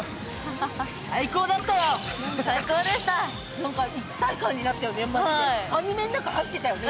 何か一体感になったよね